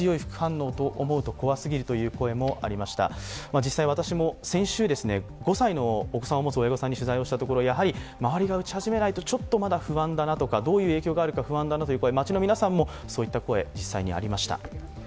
実際、私も先週、５歳のお子さんを持つ親御さんに取材したところ、やはり周りが打ち始めないとちょっと不安だなとかどういう影響があるか不安だなと街の皆さんもそういった声、実際にありました。